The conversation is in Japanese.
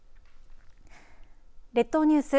列島ニュース